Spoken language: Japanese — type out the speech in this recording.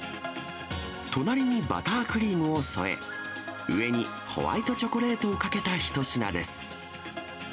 隣にバタークリームを添え、上にホワイトチョコレートをかけた一品です。